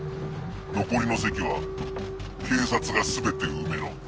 残りの席は警察が全て埋めろ。